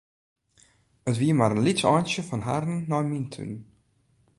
It wie mar in lyts eintsje fan harren nei myn tún.